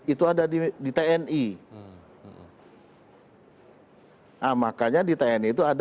itu ada di tni